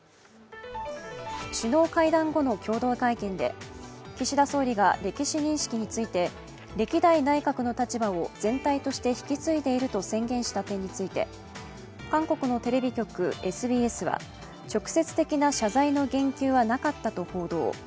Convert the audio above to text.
首脳会談後の共同会見で、岸田総理が歴史認識について、歴代内閣の立場を全体として引き継いでいると宣言した点について韓国のテレビ局ＳＢＳは直接的な謝罪の言及はなかったと報道。